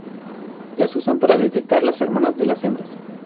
Las usan para detectar las feromonas de las hembras.